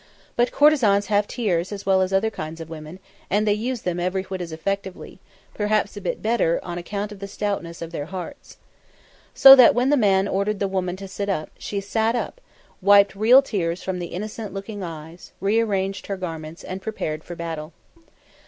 But courtesans have tears as well as other kinds of women, and they use them every whit as effectively, perhaps a bit better, on account of the stoutness of their hearts. So that when the man ordered the woman to sit up, she sat up, wiped real tears from the innocent looking eyes, re arranged her garments, and prepared for battle.